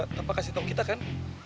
nggak mau kasih tau kita kan